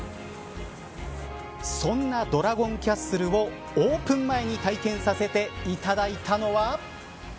そんなドラゴンンキャッスルをオープン前に体験させていただいたのは。